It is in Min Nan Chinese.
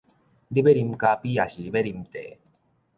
你欲啉咖啡抑是欲啉茶？